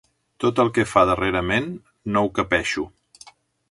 Tot el que fa darrerament, no ho capeixo.